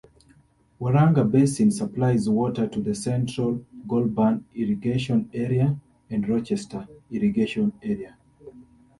Waranga Basin supplies water to the Central Goulburn Irrigation Area and Rochester Irrigation Area.